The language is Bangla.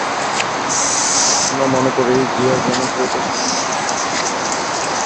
আমরা মনে করি, জিয়ার জনপ্রিয়তা সামান্য কিছুটা কমতে পারে।